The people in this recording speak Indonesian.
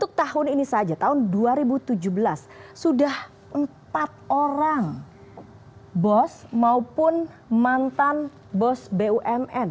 untuk tahun ini saja tahun dua ribu tujuh belas sudah empat orang bos maupun mantan bos bumn